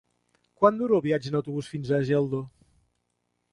Quant dura el viatge en autobús fins a Geldo?